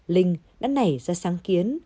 linh đã nảy ra sáng kiến